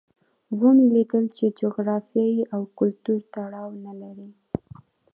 ومو لیدل چې جغرافیې او کلتور تړاو نه لري.